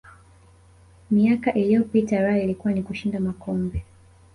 miaka iliyopita raha ilikuwa ni kushinda makombe